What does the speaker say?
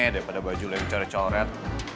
daripada baju lo yang coret coret